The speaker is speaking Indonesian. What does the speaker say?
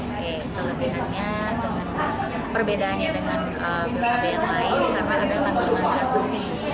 kelebihannya dengan perbedaannya dengan pil kb yang lain karena ada kandungan zat besi